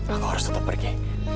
aku harus tetap pergi